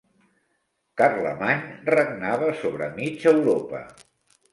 Carlemany regnava sobre mig Europa.